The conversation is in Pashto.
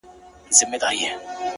• هغه بل د پیر په نوم وهي جېبونه ,